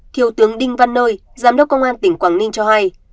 thiếu tướng đinh văn nơi giám đốc công an tỉnh quảng ninh cho hay